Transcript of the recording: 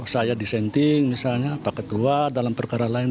saya disenting misalnya pak ketua dalam perkara lain